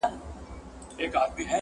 چي كوڅې يې وې ښايستې په پېغلو حورو؛